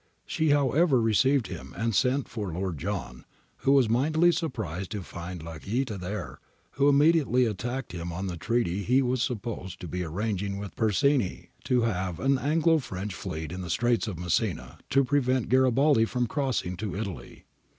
She, however, received him and sent for Lord John, who was mightily surprised to find Lacaita there, who immediatt ly attacked him on the treaty he was sup posed to be arranging with Persigny, to have an Anglo French fleet in the Straits of Messina to prevent Garibaldi from crossing to Italy.